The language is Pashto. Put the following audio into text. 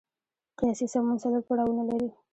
قیاسي سمون څلور پړاوونه لري.